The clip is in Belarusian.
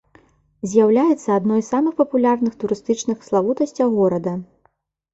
З'яўляецца адной з самых папулярных турыстычных славутасцяў горада.